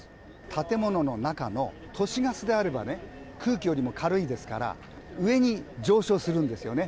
建物の中の、都市ガスであればね、空気よりも軽いですから、上に上昇するんですよね。